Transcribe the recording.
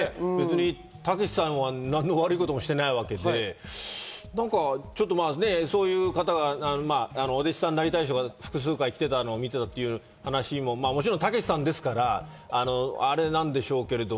たけしさんは何の悪いこともしてないわけで、お弟子さんになりたい方、複数回、来ているのを見ていたという話ももちろん、たけしさんですからあれなんでしょうけれど。